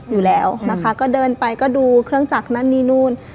อยู่แล้วนะคะก็เดินไปก็ดูเครื่องจักรนั่นนี่นู่น